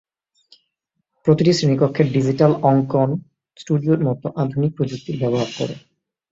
প্রতিটি শ্রেণীকক্ষে ডিজিটাল অঙ্কন স্টুডিওর মতো আধুনিক প্রযুক্তির ব্যবহার করে।